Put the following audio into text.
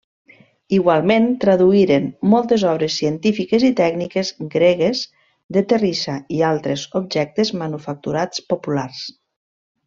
Igualment, traduïren moltes obres científiques i tècniques gregues de terrissa i altres objectes manufacturats populars.